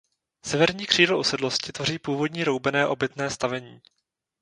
Severní křídlo usedlosti tvoří původní roubené obytné stavení.